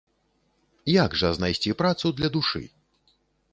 Як жа знайсці працу для душы?